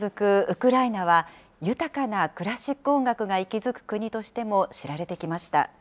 ウクライナは、豊かなクラシック音楽が息づく国としても知られてきました。